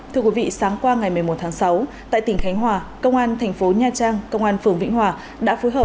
thưa quý vị sáng qua ngày một mươi một tháng sáu tại tỉnh khánh hòa công an thành phố nha trang công an phường vĩnh hòa đã phối hợp